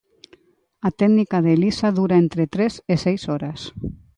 A técnica de Elisa dura entre tres e seis horas.